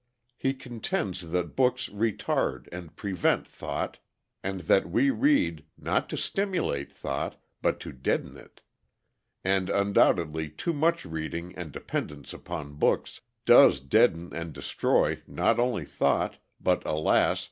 He contends that books retard and prevent thought, and that we read, not to stimulate thought, but to deaden it. And undoubtedly too much reading and dependence upon books does deaden and destroy not only thought, but, alas!